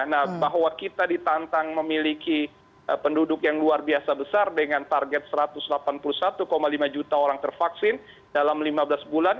nah bahwa kita ditantang memiliki penduduk yang luar biasa besar dengan target satu ratus delapan puluh satu lima juta orang tervaksin dalam lima belas bulan